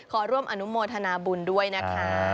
ขอร่วมอนุโมทนาบุญด้วยนะคะ